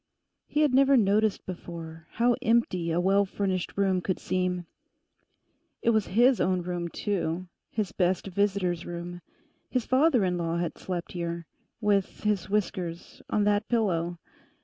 He had never noticed before how empty a well furnished room could seem. It was his own room too; his best visitors' room. His father in law had slept here, with his whiskers on that pillow.